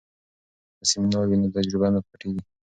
که سمینار وي نو تجربه نه پټیږي.